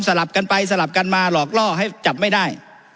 ลับกันไปสลับกันมาหลอกล่อให้จับไม่ได้